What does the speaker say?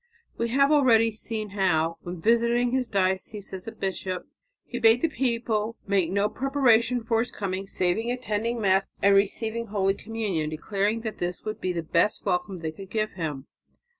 We have already seen how, when visiting his diocese as bishop, he bade the people make no preparations for his coming save attending Mass and receiving holy communion, declaring that this would be the best welcome they could give him.